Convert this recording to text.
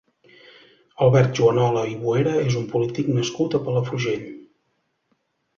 Albert Juanola i Boera és un polític nascut a Palafrugell.